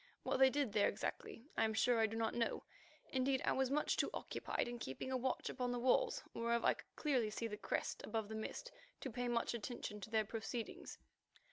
What they did there exactly, I am sure I do not know; indeed, I was too much occupied in keeping a watch upon the walls whereof I could clearly see the crest above the mist, to pay much attention to their proceedings.